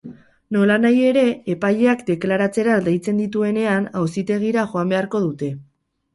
Nolanahi ere, epaileak deklaratzera deitzen dituenean, auzitegira joan beharko dute.